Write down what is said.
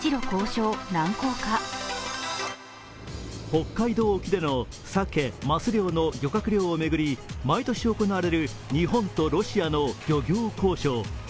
北海道沖でのサケ・マス漁の漁獲量を巡り毎年行われる日本とロシアの漁業交渉。